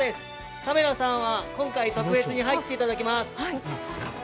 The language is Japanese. カメラさんは今回特別に入っていただけます。